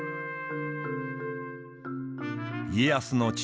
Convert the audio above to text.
家康の父